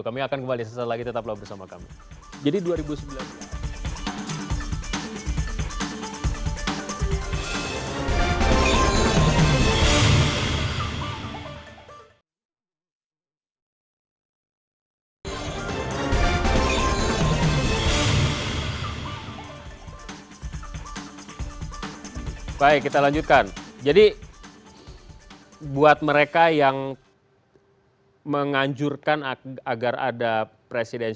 kami akan kembali sesuai lagi tetap berbicara bersama kami